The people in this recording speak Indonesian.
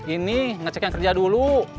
ini ngecek yang kerja dulu